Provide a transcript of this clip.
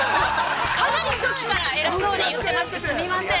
◆かなり初期から、偉そうに言っていまして、すみません。